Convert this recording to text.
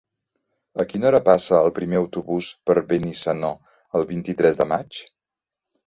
A quina hora passa el primer autobús per Benissanó el vint-i-tres de maig?